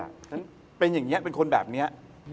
ฉันเป็นอย่างนี้เป็นคนแบบนี้